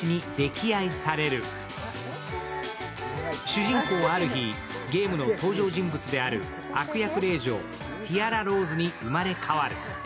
主人公は、ある日ゲームの登場人物である悪役令嬢ティアラローズに生まれ変わる。